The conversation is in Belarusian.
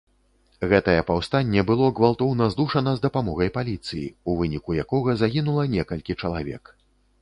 Гэтае паўстанне было гвалтоўна здушана з дапамогай паліцыі, у выніку якога загінула некалькі чалавек.